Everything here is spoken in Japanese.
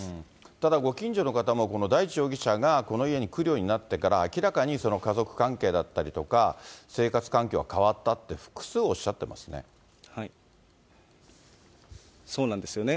ただご近所の方も、この大地容疑者がこの家に来るようになってから、明らかに家族関係だったりとか、生活環境が変わったって、そうなんですよね。